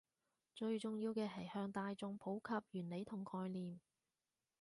最重要嘅係向大衆普及原理同概念